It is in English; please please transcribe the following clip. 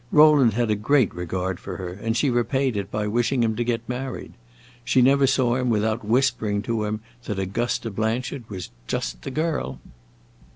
Rowland had a great regard for her, and she repaid it by wishing him to get married. She never saw him without whispering to him that Augusta Blanchard was just the girl.